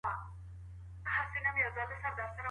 ایا واړه پلورونکي بادام صادروي؟